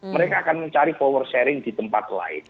mereka akan mencari power sharing di tempat lain